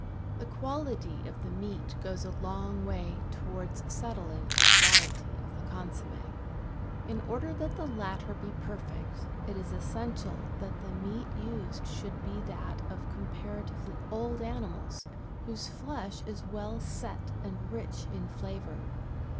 The quality of the meat goes a long way . towards settling the quality of the consomme. In order that the latter be perfect, it is essential that the meat used should be that of comparatively old animals whose flesh is well set and rich in flavour.